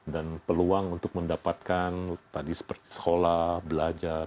dan peluang untuk mendapatkan tadi seperti sekolah belajar